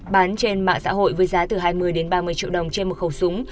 bán trên mạng xã hội với giá từ hai mươi ba mươi triệu đồng trên một khẩu súng